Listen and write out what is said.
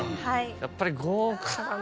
やっぱり豪華だな。